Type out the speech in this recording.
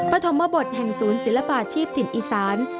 ปฐมบทแห่งศูนย์ศิลปาชีพถิ่นอีสาน